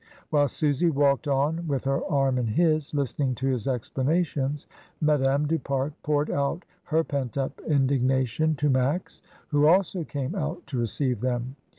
... While Susy walked on with her arm in his, listening to his explanations, Madame du Pare poured out her pent up indignation to Max, who also came out to receive them.